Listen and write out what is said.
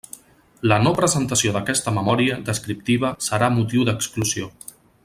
La no presentació d'aquesta memòria descriptiva serà motiu d'exclusió.